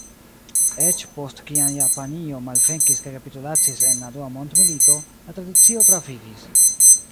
Eĉ post kiam Japanio malvenkis kaj kapitulacis en la Dua Mondmilito, la tradicio travivis.